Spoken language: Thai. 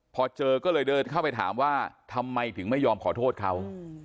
พอเจอก็เลยเดินเข้าไปถามว่าทำไมถึงไม่ยอมขอโทษเขา